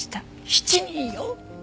７人よ！